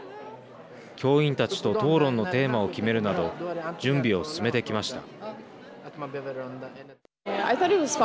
教員たちと討論のテーマを決めるなど準備を進めてきました。